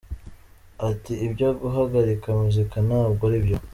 Ati “ Ibyo guhagarika muzika ntabwo aribyo.